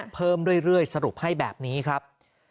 เพิ่มเรื่อยสรุปให้แบบนี้ครับ